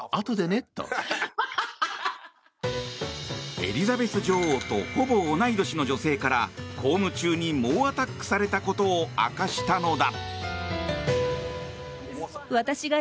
エリザベス女王とほぼ同い年の女性から公務中に猛アタックされたことを明かしたのだ。